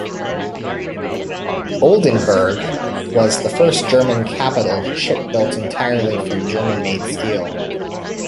"Oldenburg" was the first German capital ship built entirely from German-made steel.